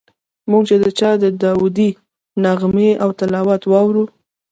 موږ چې د چا داودي نغمې او تلاوت واورو.